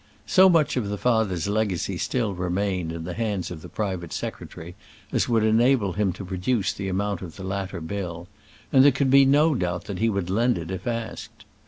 So much of the father's legacy still remained in the hands of the private secretary as would enable him to produce the amount of the latter bill, and there could be no doubt that he would lend it if asked.